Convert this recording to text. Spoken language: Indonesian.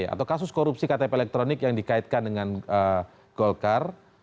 atau kasus korupsi ktp elektronik yang dikaitkan dengan golkar